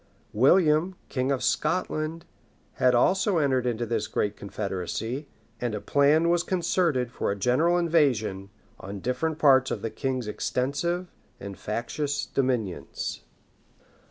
William, king of Scotland, had also entered into this great confederacy; and a plan was concerted for a general invasion on different parts of the king's extensive and factious dominions.